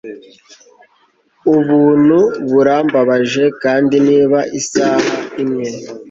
Ubuntu burambabaje kandi niba isaha imwe